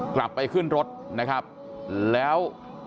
กลับไปขึ้นรถนะครับแล้ว